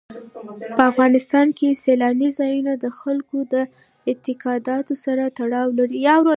په افغانستان کې سیلانی ځایونه د خلکو د اعتقاداتو سره تړاو لري.